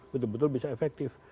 betul betul bisa efektif